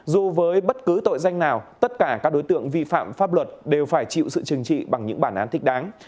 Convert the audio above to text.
dù với bất cứ tội danh nào tất cả các đối tượng vi phạm pháp luật đều phải chịu sự chừng trị bằng những bản án thích đáng